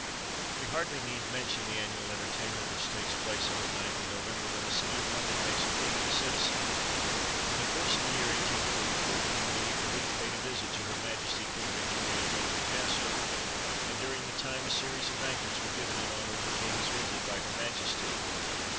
We hardly need mention the annual entertainment which takes place on the 9th of November, when the city of London makes a king of a citizen. In the course of the year 1844, King Louis Philippe paid a visit to her Majesty Queen Victoria at Windsor Castle, and during the time a series of banquets were given in honour of the King's visit by her Majesty.